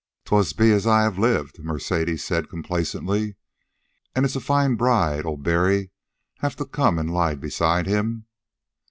"'Twill be as I have lived," Mercedes said complacently. "And it's a fine bride old Barry'll have to come and lie beside him."